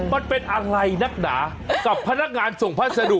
มันเป็นอะไรนักหนากับพนักงานส่งพัสดุ